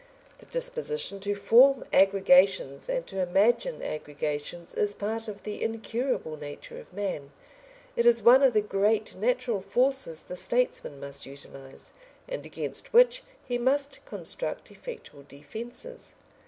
The disposition to form aggregations and to imagine aggregations is part of the incurable nature of man; it is one of the great natural forces the statesman must utilise, and against which he must construct effectual defences.